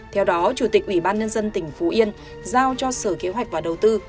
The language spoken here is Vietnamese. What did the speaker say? theo đó chủ tịch ủy ban nhân dân tỉnh phú yên giao cho sở kế hoạch và đầu tư